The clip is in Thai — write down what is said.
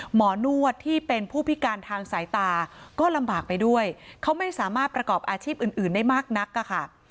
หมอนวดที่เป็นผู้พิการทางสายตาก็ลำบากไปด้วยเขาไม่สามารถประกอบอาชีพอื่นได้มากนักอะค่ะ